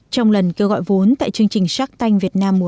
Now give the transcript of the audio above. trong lần kêu gọi vốn tại chương trình sắc tanh việt nam mùa hai